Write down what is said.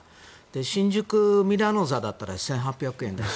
新宿・ミラノ座だったら１８００円だし。